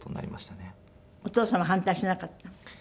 お父様反対しなかった？